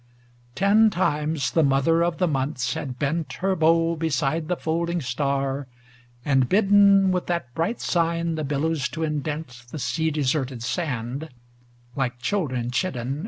IV Ten times the Mother of the Months had bent Her bow beside the folding star, and bidden With that bright sign the billows to in dent The sea deserted sand ŌĆö like children chidden.